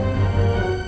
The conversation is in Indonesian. aku mau kemana